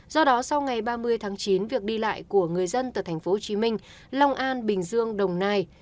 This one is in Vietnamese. do đó sau ngày ba mươi tháng chín việc đi lại của người dân tại tp hcm long an bình dương đồng nai